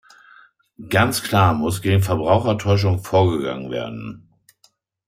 Ganz klar muss gegen Verbrauchertäuschung vorgegangen werden.